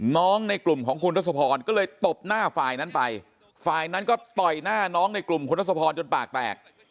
ในกลุ่มของคุณทศพรก็เลยตบหน้าฝ่ายนั้นไปฝ่ายนั้นก็ต่อยหน้าน้องในกลุ่มคุณทศพรจนปากแตก